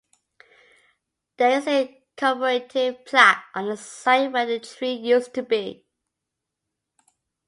There is a commemorative plaque on the site where the tree used to be.